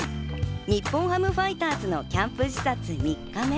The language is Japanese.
日本ハムファイターズのキャンプ視察３日目。